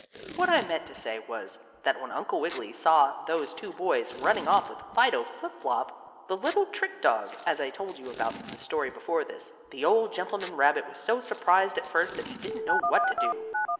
What I meant to say was, that when Uncle Wiggily saw those two boys running off with Fido Flip Flop, the little trick dog, as I told you about in the story before this, the old gentleman rabbit was so surprised at first that he didn't know what to do.